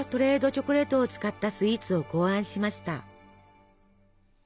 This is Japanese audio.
チョコレートを使ったスイーツを考案しました。